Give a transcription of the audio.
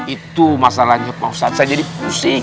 itu masalahnya pak ustadz saya jadi pusing